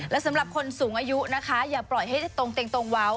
และสำหรับคนสูงอายุนะคะอย่าปล่อยให้ตรงเว้า